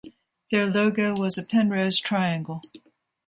Their logo was a Penrose triangle.